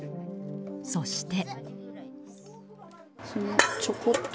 そして。